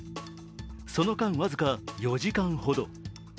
その間、僅か４時間ほど。